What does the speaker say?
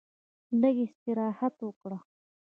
لږ استراحت وکړ.